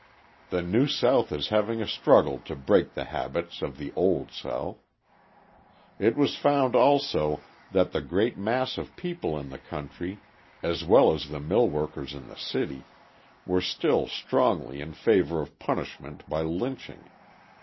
The New South is having a struggle to break the habits of the Old South. It was found, also, that the great mass of people in the country, as well as the millworkers in the city, were still strongly in favour of punishment by lynching.